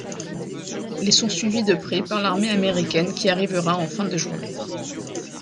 Ils sont suivis de près par l'armée américaine qui arrivera en fin de journée.